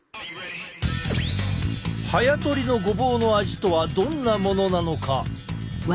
早とりのごぼうの味とはどんなものなのか？